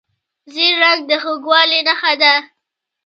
ژیړ رنګ د خوږوالي نښه ده.